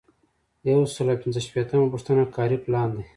یو سل او پنځه شپیتمه پوښتنه کاري پلان دی.